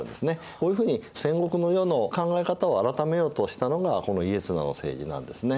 こういうふうに戦国の世の考え方を改めようとしたのがこの家綱の政治なんですね。